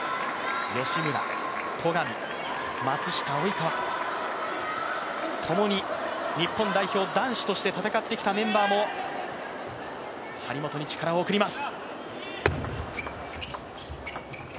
吉村、戸上、松下、及川、ともに日本代表男子として戦ってきたメンバーも張本に力を送ります。